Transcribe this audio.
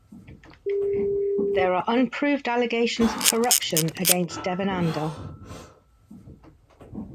There are unproved allegations of corruption against Devananda.